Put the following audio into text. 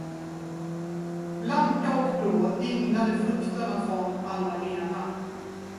Blanka och blå dignade frukterna från alla grenar.